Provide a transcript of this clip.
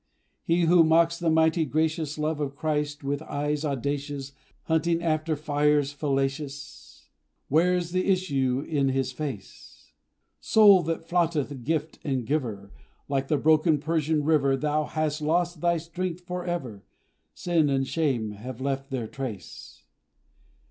He who mocks the mighty, gracious Love of Christ, with eyes audacious, Hunting after fires fallacious, Wears the issue in his face. Soul that flouted gift and Giver, Like the broken Persian river, Thou hast lost thy strength for ever! Sin and shame have left their trace.